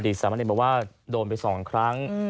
อดีตสามเณรบอกว่าโดนไปสองครั้ง